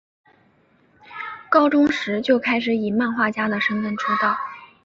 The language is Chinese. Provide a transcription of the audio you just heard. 高中时就开始以漫画家的身份出道。